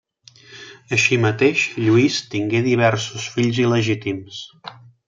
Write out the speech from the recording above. Així mateix Lluís tingué diversos fills il·legítims.